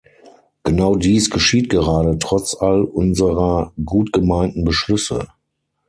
Genau dies geschieht gerade, trotz all unserer gut gemeinten Beschlüsse.